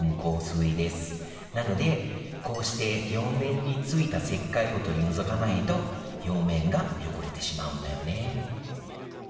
なのでこうして表面に付いた石灰を取り除かないと表面が汚れてしまうんだよね